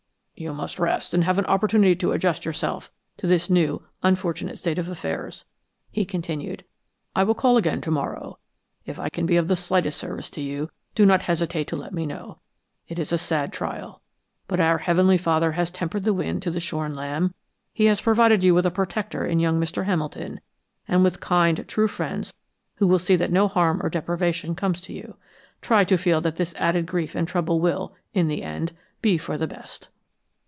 "You must rest and have an opportunity to adjust yourself to this new, unfortunate state of affairs," he continued. "I will call again to morrow. If I can be of the slightest service to you, do not hesitate to let me know. It is a sad trial, but our Heavenly Father has tempered the wind to the shorn lamb; He has provided you with a protector in young Mr. Hamilton, and with kind, true friends who will see that no harm or deprivation comes to you. Try to feel that this added grief and trouble will, in the end, be for the best."